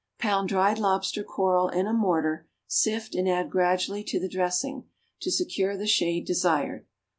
_) Pound dried lobster coral in a mortar, sift, and add gradually to the dressing, to secure the shade desired.